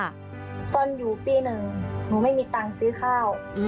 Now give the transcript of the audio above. ตอนอยู่ปีหนึ่งหนูไม่มีตังค์ซื้อข้าว